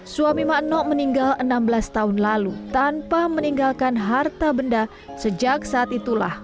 suami makno meninggal enam belas tahun lalu tanpa meninggalkan harta benda sejak saat itulah